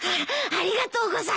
ありがとうございます。